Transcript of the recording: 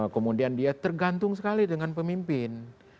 kemudian dia tergantung sekali dengan pemimpin